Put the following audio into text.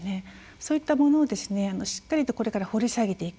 そういったものをしっかりとこれから掘り下げていく。